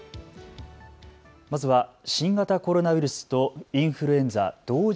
まずは新型コロナウイルスとインフルエンザ同時